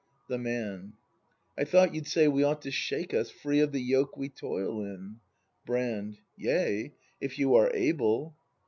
The Man. I thought you'd say we ought to shake us Free of the yoke we toil in ? Brand. Yea, If you are able.